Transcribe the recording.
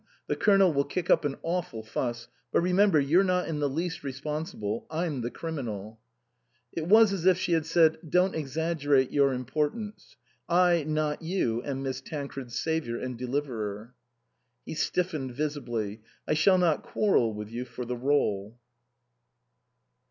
The Colonel will kick up an awful fuss ; but remember, you're not in the least responsible. I'm the criminal." It was as if she had said, " Don't exaggerate your importance. I, not you, am Miss Tancred's saviour and deliverer." He stiffened visibly. " I shall not quarrel with you for the rdle."